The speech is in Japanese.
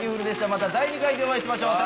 また第２回でお会いしましょう。